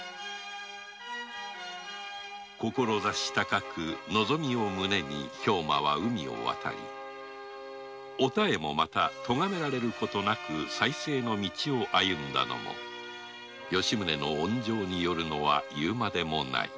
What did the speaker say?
志高く望みを胸に兵馬は海を渡りお妙もまたとがめられることもなく再生の道を歩んだのも吉宗の恩情によるのは言うまでもない